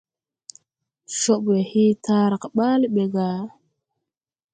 Cɔɓwɛ hee taarag ɓaale ɓɛ gà.